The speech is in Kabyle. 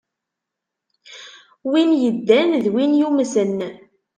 Win yeddan d win yumsen.